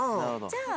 じゃあ。